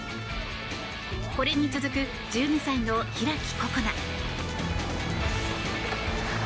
これに続く１２歳の開心那。